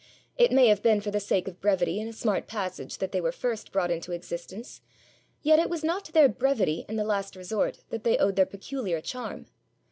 It may have been for the sake of brevity and a smart passage that they were first brought into existence; yet it was not to their brevity, in the last resort, that they owed their peculiar charm.